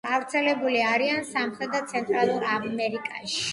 გავრცელებულნი არიან სამხრეთ და ცენტრალურ ამერიკაში.